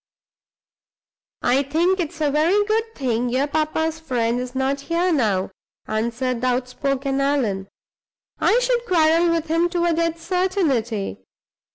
"I think it's a very good thing your papa's friend is not here now," answered the outspoken Allan; "I should quarrel with him to a dead certainty.